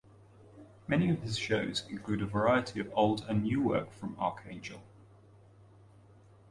Many of his shows include a variety of old and new work from Arcangel.